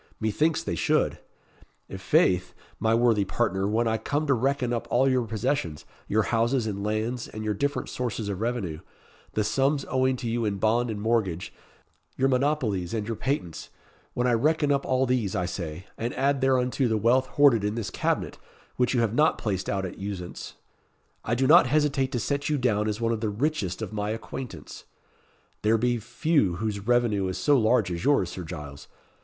Methinks they should. I' faith, my worthy partner, when I come to reckon up all your possessions, your houses and lands, and your different sources of revenue the sums owing to you in bond and mortgage your monopolies and your patents when I reckon up all these, I say, and add thereunto the wealth hoarded in this cabinet, which you have not placed out at usance I do not hesitate to set you down as one of the richest of my acquaintance. There be few whose revenue is so large as yours, Sir Giles.